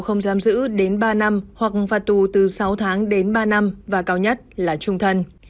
không giam giữ đến ba năm hoặc phạt tù từ sáu tháng đến ba năm và cao nhất là trung thân